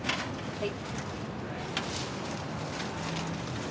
はい。